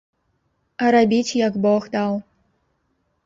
А рабіць, як бог даў.